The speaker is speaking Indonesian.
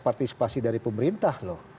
partisipasi dari pemerintah loh